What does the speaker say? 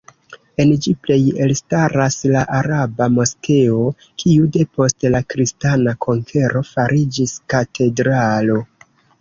En ĝi plej elstaras la araba Moskeo, kiu depost la kristana konkero fariĝis katedralo.